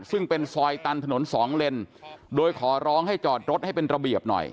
ซึ่งเป็นซอยตันถนนสองเลนโดยขอร้องให้จอดรถให้เป็นระเบียบหน่อย